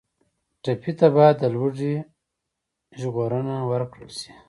ټپي ته باید له لوږې ژغورنه ورکړل شي.